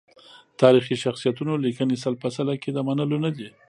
تاریخي شخصیتونو لیکنې سل په سل کې د منلو ندي.